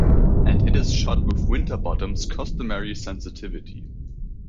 And it is shot with Winterbottom's customary sensitivity.